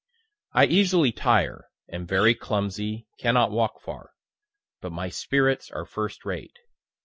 I easily tire, am very clumsy, cannot walk far; but my spirits are first rate.